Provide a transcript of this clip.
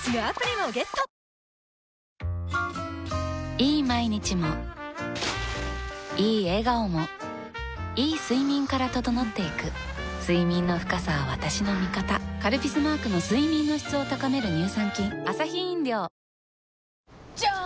いい毎日もいい笑顔もいい睡眠から整っていく睡眠の深さは私の味方「カルピス」マークの睡眠の質を高める乳酸菌じゃーん！